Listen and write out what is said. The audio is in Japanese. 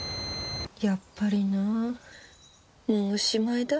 やっぱりなもうおしまいだ。